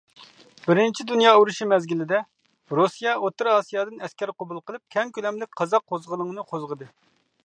بىرىنچى دۇنيا ئۇرۇشى مەزگىلىدە، رۇسىيە ئوتتۇرا ئاسىيادىن ئەسكەر قوبۇل قىلىپ، كەڭ كۆلەملىك قازاق قوزغىلىڭىنى قوزغىدى.